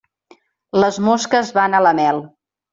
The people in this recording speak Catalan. Les mosques van a la mel.